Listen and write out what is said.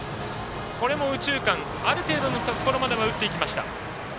これも右中間ある程度のところまでは打っていきました。